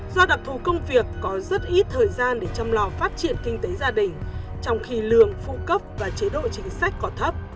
do đặc thù công việc có rất ít thời gian để chăm lo phát triển kinh tế gia đình trong khi lương phụ cấp và chế độ chính sách còn thấp